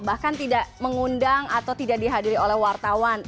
bahkan tidak mengundang atau tidak dihadiri oleh wartawan